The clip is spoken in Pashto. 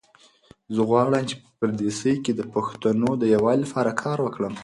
زه غواړم چې په پردیسۍ کې د پښتنو د یووالي لپاره کار وکړم.